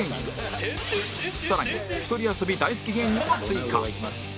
更に一人遊び大好き芸人も追加